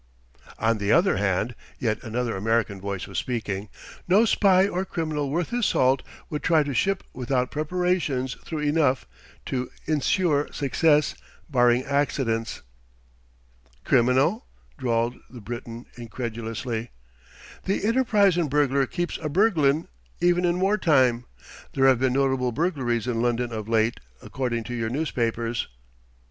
"On the other hand" yet another American voice was speaking "no spy or criminal worth his salt would try to ship without preparations thorough enough to insure success, barring accidents." "Criminal?" drawled the Briton incredulously. "The enterprisin' burglar keeps a burglin', even in war time. There have been notable burglaries in London of late, according to your newspapers."